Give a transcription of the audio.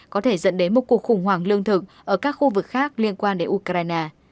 có thể dẫn đến một cuộc khủng hoảng lương thực ở các khu vực khác liên quan đến ukraine